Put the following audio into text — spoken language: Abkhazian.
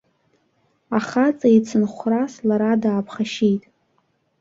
Ахаҵа ицынхәрас, лара дааԥхашьеит.